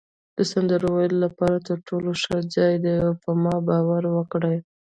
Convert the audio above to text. د سندرو ویلو لپاره تر ټولو ښه ځای دی، په ما باور وکړئ.